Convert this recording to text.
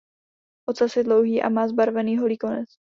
Ocas je dlouhý a má zbarvený holý konec.